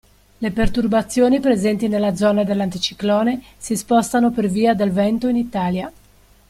Le perturbazioni presenti nella zona dell'anticiclone si spostano per via del vento in Italia.